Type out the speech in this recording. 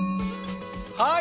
はい。